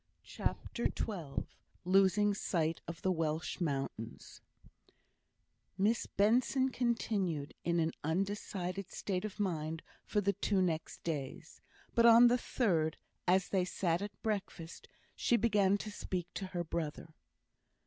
CHAPTER XII Losing Sight of the Welsh Mountains Miss Benson continued in an undecided state of mind for the two next days; but on the third, as they sat at breakfast, she began to speak to her brother.